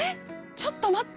ちょっと待って！